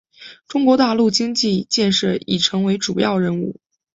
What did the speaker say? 中国大陆经济建设已成为主要任务。